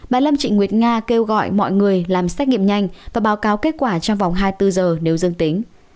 bà lâm trịnh nguyệt nga kêu gọi mọi người làm xét nghiệm nhanh và báo cáo kết quả trong vòng hai mươi bốn giờ nếu dương tính